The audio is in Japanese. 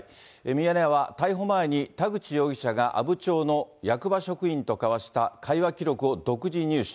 ミヤネ屋は、逮捕前に田口容疑者が阿武町の役場職員と交わした会話記録を独自入手。